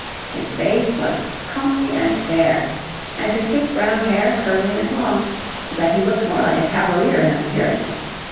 His face "was comely and fair," and his thick brown hair curly and long, so that he looked more like a Cavalier than a Puritan.